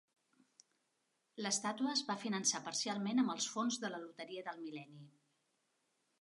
L'estàtua es va finançar parcialment amb els fons de la loteria del mil·lenni.